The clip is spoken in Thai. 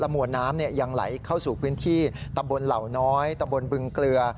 มวลน้ำยังไหลเข้าสู่พื้นที่ตำบลเหล่าน้อยตำบลบึงเกลือ